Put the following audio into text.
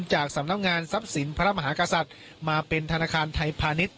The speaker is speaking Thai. จากสำนักงานทรัพย์สินพระมหากษัตริย์มาเป็นธนาคารไทยพาณิชย